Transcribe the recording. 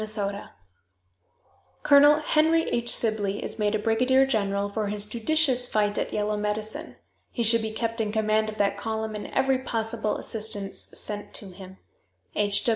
_, "Colonel Henry H. Sibley is made a brigadier general for his judicious fight at Yellow Medicine. He should be kept in command of that column, and every possible assistance sent to him. "H.